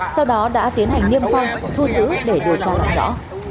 sau đó đã tiến hành niêm phong thu giữ để điều tra làm rõ